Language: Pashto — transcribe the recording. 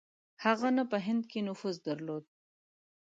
هغه نه په هند کې نفوذ درلود.